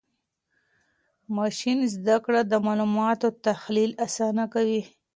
ماشین زده کړه د معلوماتو تحلیل آسانه کوي.